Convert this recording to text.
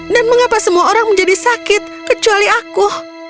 dan mengapa semua orang menjadi sakit kecuali aku